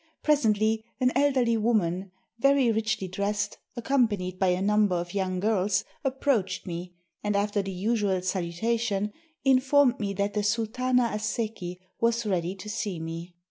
Pres ently an elderly woman, very richly dressed, accom panied by a number of young girls, approached me, and after the usual salutation, informed me that the Sul tana Asseki was ready to see me.